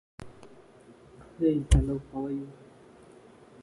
He was first married to the actress Betty Dickson.